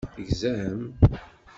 Tegzam?